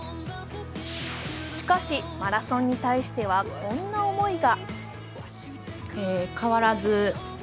しかし、マラソンに対してはこんな思いが。